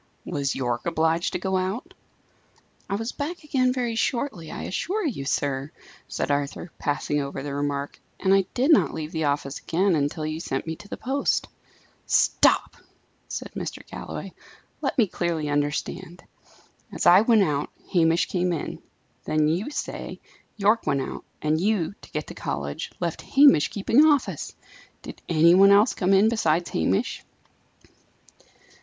"Was Yorke obliged to go out?" "I was back again very shortly, I assure you, sir," said Arthur, passing over the remark. "And I did not leave the office again until you sent me to the post." "Stop!" said Mr. Galloway; "let me clearly understand. As I went out, Hamish came in. Then, you say, Yorke went out; and you, to get to college, left Hamish keeping office! Did any one else come in besides Hamish?"